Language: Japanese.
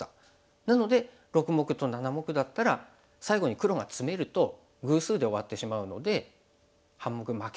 なので６目と７目だったら最後に黒がツメると偶数で終わってしまうので半目負け。